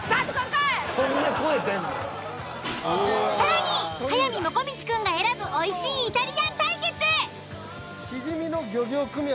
更に速水もこみちくんが選ぶおいしいイタリアン対決。